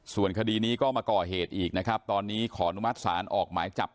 ส่วนคดีนี้ก็มาก่อเหตุอีกนะครับตอนนี้ขออนุมัติศาลออกหมายจับ